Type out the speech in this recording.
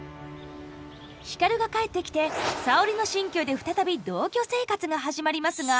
光が帰ってきて沙織の新居で再び同居生活が始まりますが。